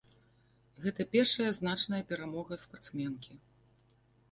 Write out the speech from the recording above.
Гэта першая значная перамога спартсменкі.